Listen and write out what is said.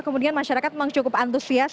kemudian masyarakat memang cukup antusias